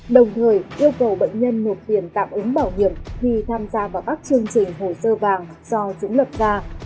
đồng thời yêu cầu bệnh nhân nộp tiền tạm ứng bảo hiểm khi tham gia vào các chương trình hồ sơ vàng do chúng lập ra